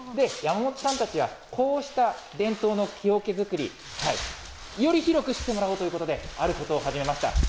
山本さんたちは、こうした伝統の木おけ作り、より広く知ってもらおうということで、あることを始めました。